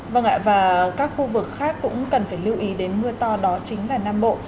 vâng ạ và các khu vực khác cũng cần phải lưu ý đến mưa to đó chính là nam bộ